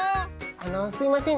あのすいません